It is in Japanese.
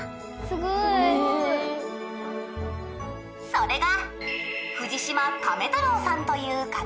「それが」